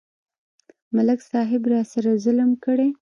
ملک صاحب راسره ظلم کړی.